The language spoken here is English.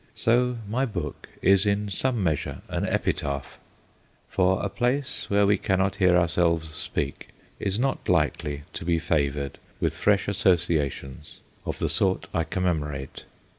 So my book is m some measure an epitaph ; for a place where we cannot hear ourselves speak is not likely to be favoured with fresh associations of the sort I commemorate.